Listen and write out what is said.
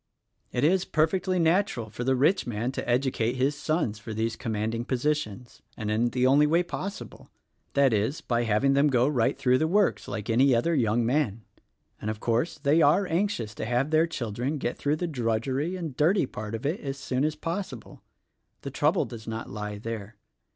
"It is perfectly natural for the rich man to educate his sons for these commanding positions — and in the only way possible; that is, by having them go right through the works like any other young man. And, of course, they are anxious to have their children get through the drudgery and dirty part of it as soon as possible. The trouble does not lie there.